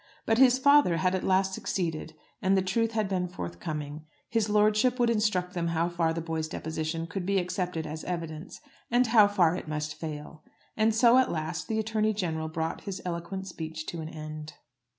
But his father had at last succeeded, and the truth had been forthcoming. His lordship would instruct them how far the boy's deposition could be accepted as evidence, and how far it must fail. And so at last the Attorney General brought his eloquent speech to an end.